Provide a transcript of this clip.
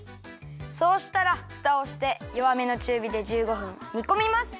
そうしたらフタをしてよわめのちゅうびで１５ふんにこみます。